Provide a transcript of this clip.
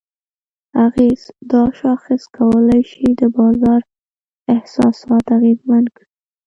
اغېز: دا شاخص کولی شي د بازار احساسات اغیزمن کړي؛